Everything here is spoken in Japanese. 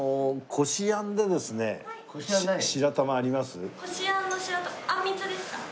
こしあんの白玉あんみつですか？